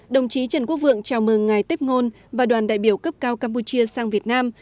đồng chí trần quốc vượng chào mừng ngài tép ngôn và đoàn đại biểu cấp cao campuchia sang việt nam